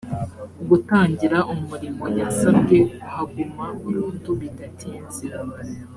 gutangira umurimo yasabwe kuhaguma burundu bidatinze